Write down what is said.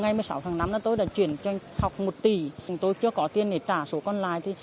ngày một mươi sáu tháng năm là tôi đã chuyển cho học một tỷ chúng tôi chưa có tiền để trả số còn lại